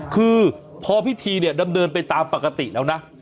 คือพอพิธีเนี่ยดำเนินไปตามปกติแล้วนะ